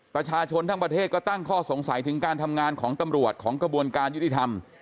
ประชาชนทั้งประเทศก็ตั้งข้อสงสัยถึงการทำงานของตำรวจของกระบวนการยุติธรรม